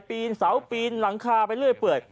ปีนเสาปีนหลังคาไปเรื่อยเปื่อย